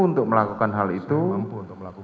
untuk melakukan hal itu